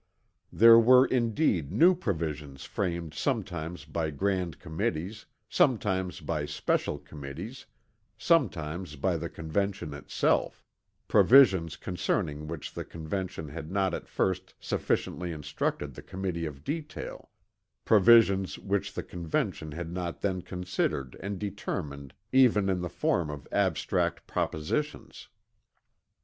There were indeed new provisions framed sometimes by grand committees, sometimes by special committees, sometimes by the Convention itself provisions concerning which the Convention had not at first sufficiently instructed the Committee of Detail provisions which the Convention had not then considered and determined even in the form of abstract propositions.